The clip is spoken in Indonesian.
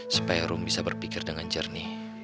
supaya room bisa berpikir dengan jernih